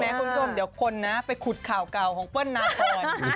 คุณผู้ชมเดี๋ยวคนนะไปขุดข่าวเก่าของเปิ้ลนาคอน